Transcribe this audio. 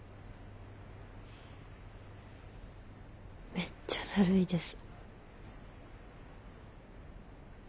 めっちゃだるいです。